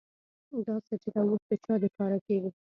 دا سجده وس د چا دپاره کيږي